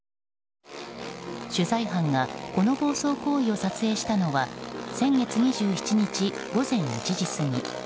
取材班がこの暴走行為を撮影したのは先月２７日午前１時過ぎ。